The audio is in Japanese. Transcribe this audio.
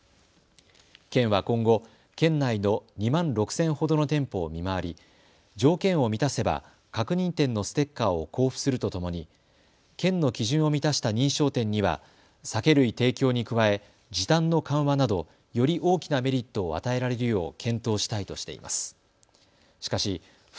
県は今後、県内の２万６０００ほどの店舗を見回り、条件を満たせば確認店のステッカーを交付するとともに県の基準を満たした認証店には酒類提供に加え、時短の緩和などより大きなメリットを与えられるよう検討したいとしています。